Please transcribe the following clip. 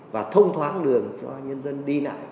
và thông thoáng lường cho nhân dân đi lại